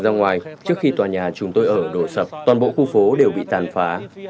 khi chúng tôi đã thoát được ra ngoài trước khi tòa nhà chúng tôi ở đổ sập toàn bộ khu phố đều bị tàn phá